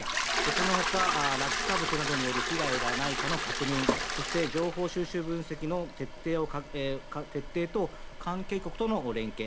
そのほか落下物などによる被害がないかの確認そして、情報収集・分析の徹底と関係国との連携